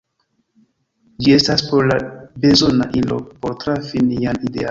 Ĝi estas por ni bezona ilo por trafi nian idealon.